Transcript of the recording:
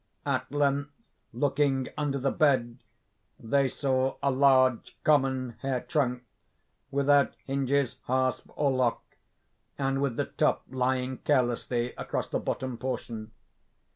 At length, looking under the bed, they saw a large, common hair trunk, without hinges, hasp, or lock, and with the top lying carelessly across the bottom portion.